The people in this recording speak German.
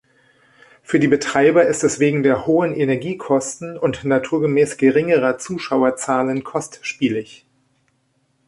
Für die Betreiber ist es wegen der hohen Energiekosten und naturgemäß geringerer Zuschauerzahlen kostspielig.